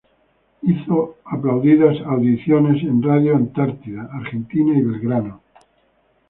Hizo aplaudidas audiciones en Radio Antártida, Argentina y Belgrano.